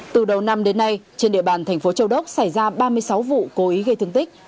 từ đầu năm đến nay trên địa bàn thành phố châu đốc xảy ra ba mươi sáu vụ cố ý gây thương tích